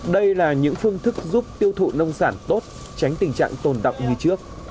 đây là những phương thức giúp tiêu thụ nông sản tốt tránh tình trạng tồn động như trước